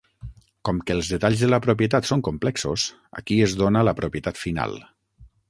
Com que els detalls de la propietat són complexos, aquí es dóna la propietat final.